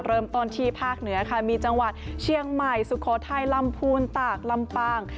เริ่มต้นที่ภาคเหนือค่ะมีจังหวัดเชียงใหม่สุโขทัยลำพูนตากลำปาง